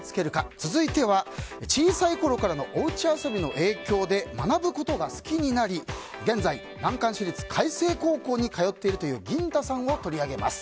続いては小さいころからのおうち遊びの影響で学ぶことが好きになり現在、難関私立開成高校に通っているというぎん太さんを取り上げます。